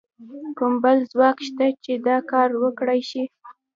کوم بل ځواک شته چې دا کار وکړای شي؟